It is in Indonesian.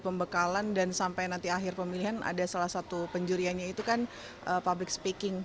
pembekalan dan sampai nanti akhir pemilihan ada salah satu penjurianya itu kan public speaking